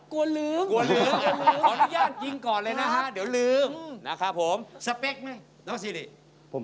กลัวลืม